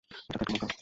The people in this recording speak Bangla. এটা তো একটা নৌকা।